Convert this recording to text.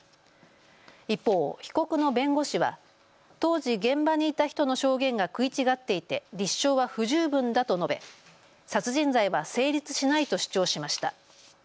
一方、被告の弁護士は当時現場にいた人の証言が食い違っていて立証は不十分だと述べ殺人罪は成立しないと主張しました。